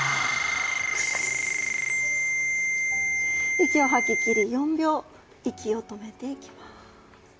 息を吐ききり４秒息を止めていきます。